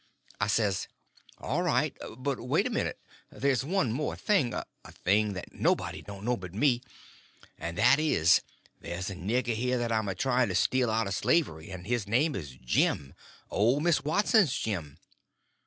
I says: "All right; but wait a minute. There's one more thing—a thing that nobody don't know but me. And that is, there's a nigger here that I'm a trying to steal out of slavery, and his name is Jim—old Miss Watson's Jim."